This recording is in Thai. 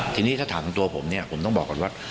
ทีนี้ถ้าถามตัวผมเนี่ยผมต้องบอกก่อนว่า